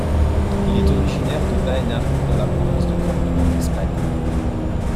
Il est originaire de Baena dans la province de Cordoue en Espagne.